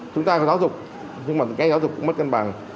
chúng ta có giáo dục nhưng mà cái giáo dục cũng mất cân bằng